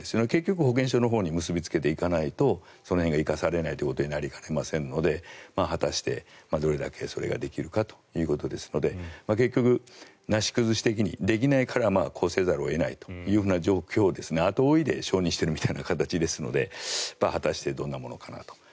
結局、保健所のほうに結び付けていかないと生かされないということになりかねませんので果たして、どれだけそれができるかということですので結局、なし崩し的にできないからこうせざるを得ないという状況を後追いで承認してるみたいな形ですので果たしてどんなものかなと。